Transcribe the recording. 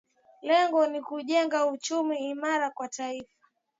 Lengo ni kujenga uchumi imara kwa Taifa